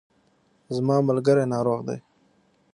زما ملګری ناروغ دی